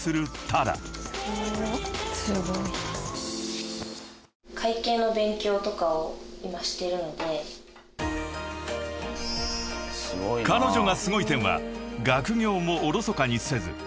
［彼女がすごい点は学業もおろそかにせず］